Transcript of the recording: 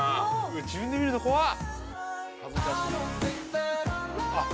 自分で見るの、こわっ！